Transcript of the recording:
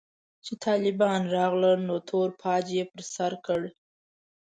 چې طالبان راغلل نو تور پاج يې پر سر کړ.